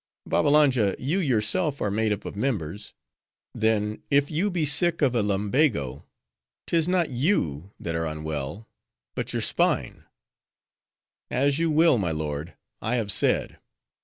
"Babbalanja, you yourself are made up of members:—then, if you be sick of a lumbago,—'tis not you that are unwell; but your spine." "As you will, my lord. I have said.